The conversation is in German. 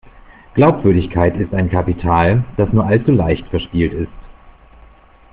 Glaubwürdigkeit ist ein Kapital, das nur allzu leicht verspielt ist.